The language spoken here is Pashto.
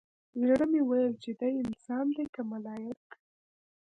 زړه مې ويل چې دى انسان دى که ملايک.